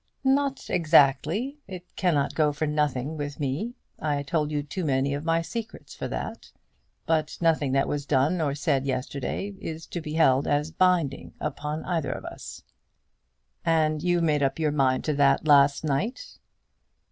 "Not exactly. It cannot go for nothing with me. I told you too many of my secrets for that. But nothing that was done or said yesterday is to be held as binding upon either of us." "And you made up your mind to that last night?"